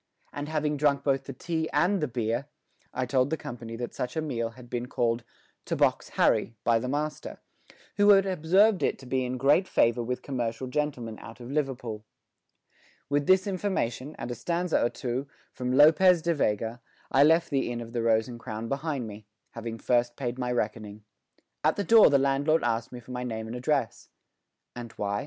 and having drunk both the tea and the beer, I told the company that such a meal had been called "to box Harry" by the master, who had observed it to be in great favour with commercial gentlemen out of Liverpool. With this information and a stanza or two from Lopez de Vega I left the Inn of the Rose and Crown behind me, having first paid my reckoning. At the door the landlord asked me for my name and address. "And why?"